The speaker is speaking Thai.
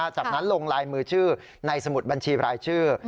จากนั้นลงลายมือชื่อในสมุดบัญชีรายชื่อ